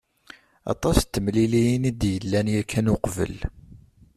Aṭas n temliliyin i d-yellan yakan uqbel.